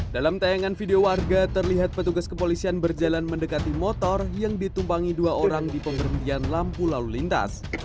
dalam tayangan video warga terlihat petugas kepolisian berjalan mendekati motor yang ditumpangi dua orang di pemberhentian lampu lalu lintas